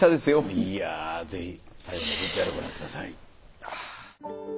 いや是非最後のＶＴＲご覧下さい。